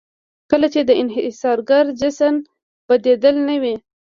کله چې د انحصارګر جنس بدیل نه وي.